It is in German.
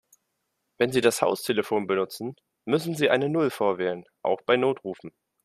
Wenn Sie das Haustelefon benutzen, müssen Sie eine Null vorwählen, auch bei Notrufen.